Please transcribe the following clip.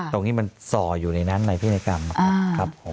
ตรงนี้มันส่ออยู่ในนั้นในพินัยกรรมครับผม